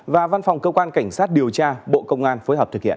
và văn phòng cơ quan cảnh sát điều tra bộ công an phối hợp thực hiện